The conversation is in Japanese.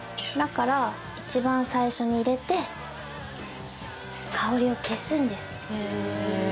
だから、一番最初に入れて香りを消すんです。